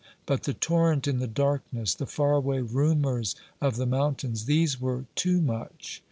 But the torrent in the darkness, the far away rumours of the mountains — these were too much.